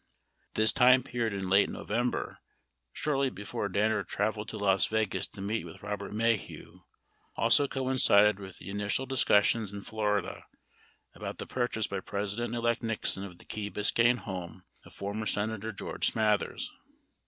This time period in late November, shortly before Danner traveled to Las Vegas to meet with Robert Maheu, also coincided with the initial discussions in Florida about the purchase by President elect Nixon of the Key Biscayne home of former Senator George Smathers.